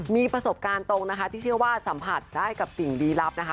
มีประสบการณ์ตรงนะคะที่เชื่อว่าสัมผัสได้กับสิ่งลีลับนะคะ